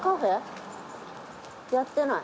やってない。